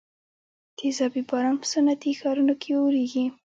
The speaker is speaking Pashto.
تیزابي باران په صنعتي ښارونو کې اوریږي.